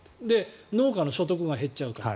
農家の所得が減っちゃうから。